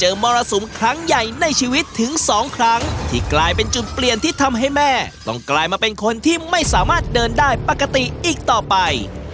มรสุมครั้งใหญ่ในชีวิตถึงสองครั้งที่กลายเป็นจุดเปลี่ยนที่ทำให้แม่ต้องกลายมาเป็นคนที่ไม่สามารถเดินได้ปกติอีกต่อไป